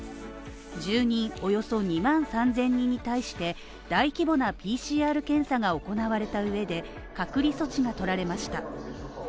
住人およそ２万３０００人に対して大規模なＰＣＲ検査が行われたうえで隔離措置がとられました。